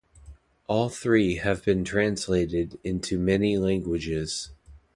All three have been translated into many languages.